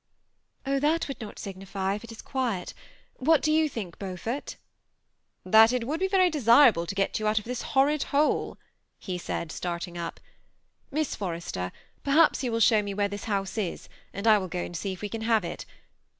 " Oh, that would not signify if it is quiet. What do you think, Beaufort ?"" That it would be very desirable to get you out of this horrid hole," he said, starting up. " Miss Forres ter, perhaps you will show me where this house is, and I will go and see if we can have it.